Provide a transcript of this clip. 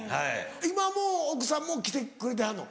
今もう奥さんも来てくれてはんの？